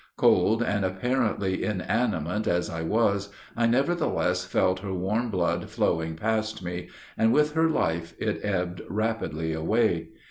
Cold and apparently inanimate as I was, I nevertheless felt her warm blood flowing past me, and with her life it ebbed rapidly away.